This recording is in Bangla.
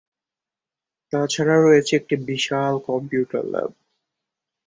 তাছাড়া রয়েছে একটি বিশাল কম্পিউটার ল্যাব।